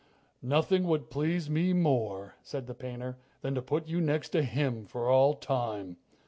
"Nothing would please me more," said the painter, "than to put you next to him for all time.